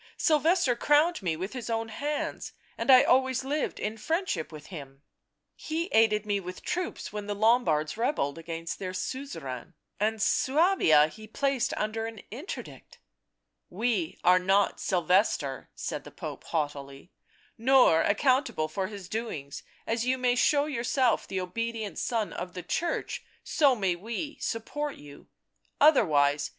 " Sylvester crowned me with his own hands, and I always lived in friendship with him — he aided me with troops when the Lombards rebelled against their suzerain, and Suabia he placed under an interdict "" We are not Sylvester," said the Pope haughtily — "nor accountable for his doings; as you may show yourself the obedient son of the Church so may we support you — otherwise